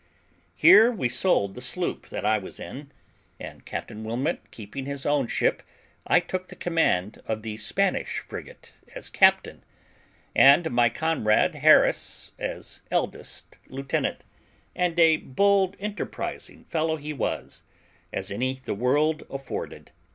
Here we sold the sloop that I was in; and Captain Wilmot keeping his own ship, I took the command of the Spanish frigate as captain, and my comrade Harris as eldest lieutenant, and a bold enterprising fellow he was, as any the world afforded.